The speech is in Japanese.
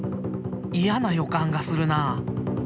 嫌な予感がするなあ。